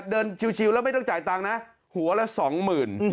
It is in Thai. ชิวแล้วไม่ต้องจ่ายตังค์นะหัวละสองหมื่น